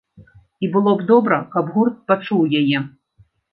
І было б добра, каб гурт пачуў яе.